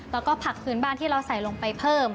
แล้วก็ผักพื้นบ้านที่เราใส่ลงไปเพิ่ม